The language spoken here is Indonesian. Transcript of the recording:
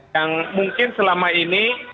yang mungkin selama ini